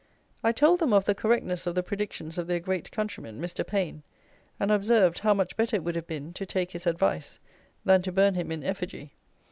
I told them of the correctness of the predictions of their great countryman, Mr. PAINE, and observed, how much better it would have been, to take his advice, than to burn him in effigy.